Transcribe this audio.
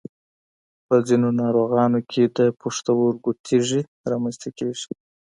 په ځینو ناروغانو کې د پښتورګو تېږې رامنځته کېږي.